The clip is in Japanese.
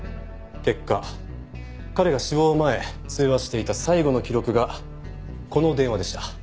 結果彼が死亡前通話していた最後の記録がこの電話でした。